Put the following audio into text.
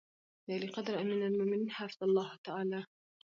د عاليقدر اميرالمؤمنين حفظه الله تعالی